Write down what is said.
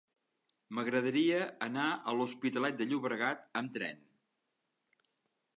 M'agradaria anar a l'Hospitalet de Llobregat amb tren.